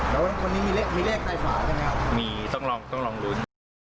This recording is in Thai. แต่ว่าคนนี้มีเลขใต้ฝาใช่ไหมครับมีต้องลองรุ่น